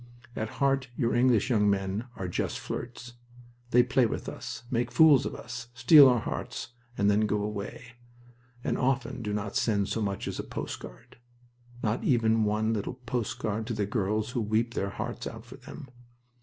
At heart your English young men are just flirts. They play with us, make fools of us, steal our hearts, and then go away, and often do not send so much as a post card. Not even one little post card to the girls who weep their hearts out for them!